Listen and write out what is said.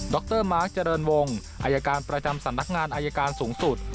รมาร์คเจริญวงอายการประจำสำนักงานอายการสูงสุด